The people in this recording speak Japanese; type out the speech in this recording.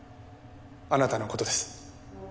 あなたの事です。